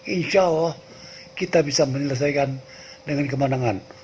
insya allah kita bisa menyelesaikan dengan kemenangan